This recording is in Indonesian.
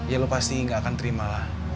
ya lu pasti gak akan terima lah